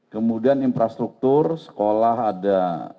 kemudian infrastruktur sekolah ada tiga ratus sembilan puluh delapan